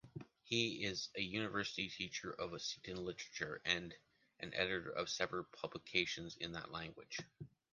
He is a university teacher of Occitan literature and an editor of several publications in that language.